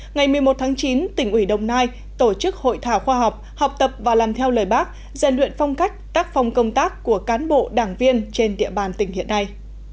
ngày một mươi một tháng chín tỉnh ủy đồng nai tổ chức hội thảo khoa học học tập và làm theo lời bác dạy luyện phong cách tác phong công tác của cán bộ đảng viên trên địa bàn tỉnh hiện nay